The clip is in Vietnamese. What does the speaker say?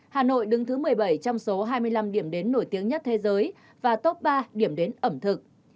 hà nội đứng thứ một mươi bảy trong số hai mươi năm điểm đến nổi tiếng nhất thế giới và top ba điểm đến ẩm thực